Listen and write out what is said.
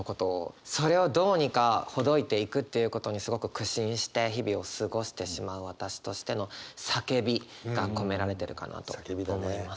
それをどうにかほどいていくっていうことにすごく苦心して日々を過ごしてしまう私としての叫びが込められてるかなと思います。